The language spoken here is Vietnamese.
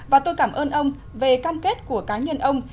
và tôi cảm ơn ông về cam kết của cá nhân ông